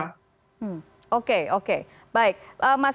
ya karena mereka tidak mengerti bagaimana platform tersebut bekerja